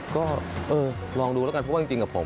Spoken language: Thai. ก็เออลองดูแล้วกันเพราะว่าจริงกับผม